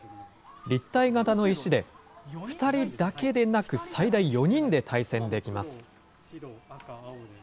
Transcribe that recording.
立体型の石で、２人だけでなく、最大４人で対戦できます。